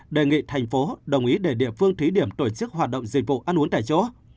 đề nghị thành phố đồng ý để địa phương thí điểm tổ chức hoạt động dịch vụ ăn uống tại chỗ